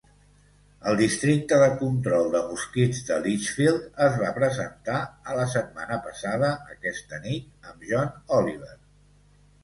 El districte de control de mosquits de Litchfield es va presentar a La setmana passada aquesta nit amb John Oliver.